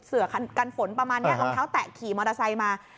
เสือกันฝนประมาณนี้รองเท้าแตะขี่มอเตอร์ไซค์มา